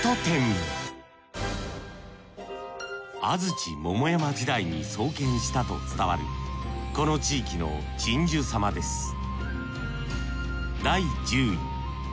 安土桃山時代に創建したと伝わるこの地域の鎮守様です